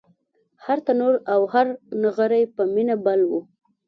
هر تنور او هر نغری په مینه بل و